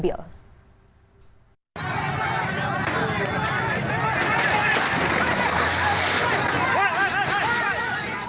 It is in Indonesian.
mobil yang rusak berat akibat diamuk sejumlah pengemudi ojek online